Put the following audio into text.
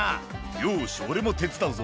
「よし俺も手伝うぞ」